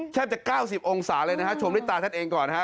แทบจะ๙๐องศาเลยนะฮะชมด้วยตาท่านเองก่อนนะฮะ